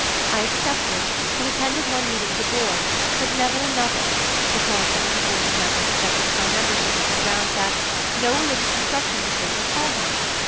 I accepted and attended one meeting of the board, but never another, because some of the older members objected to my membership on the ground that "no religious instruction was given at Hull House."